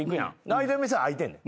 開いてる店は開いてんねん。